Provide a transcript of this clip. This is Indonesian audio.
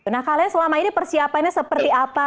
nah kalian selama ini persiapannya seperti apa